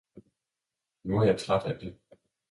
Nu er jeg træt af det!